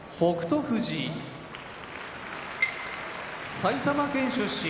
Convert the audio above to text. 富士埼玉県出身